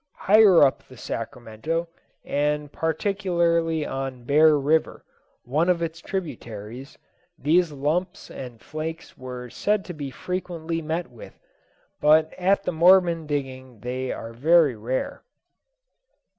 Higher up the Sacramento, and particularly on Bear River, one of its tributaries, these lumps and flakes were said to be frequently met with; but at the Mormon digging they are very rare.